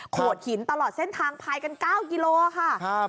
โดดหินตลอดเส้นทางพายกัน๙กิโลค่ะ